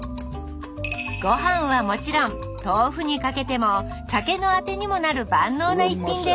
ごはんはもちろん豆腐にかけても酒のあてにもなる万能な一品です